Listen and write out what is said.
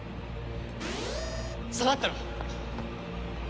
下がってろ！